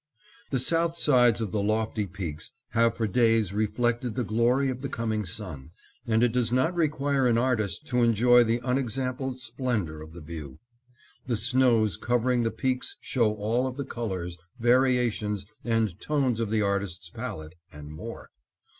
The south sides of the lofty peaks have for days reflected the glory of the coming sun, and it does not require an artist to enjoy the unexampled splendor of the view. The snows covering the peaks show all of the colors, variations, and tones of the artist's palette, and more.